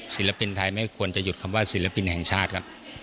ศิลปินไทยไม่ควรจะหยุดคำว่าศิลปินแห่งชาติครับ